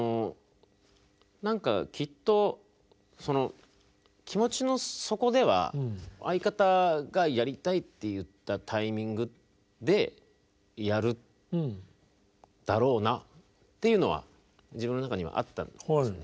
何かきっと気持ちの底では相方がやりたいって言ったタイミングでやるだろうなっていうのは自分の中にはあったんですよね。